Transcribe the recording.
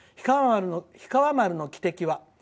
「氷川丸」の汽笛は」。